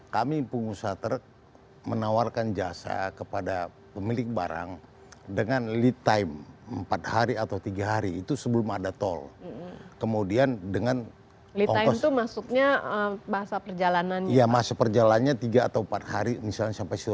kami pengusaha truk menawarkan jasa kepada pemilik barang dengan lead time empat hari atau tiga hari itu sebelum ada tol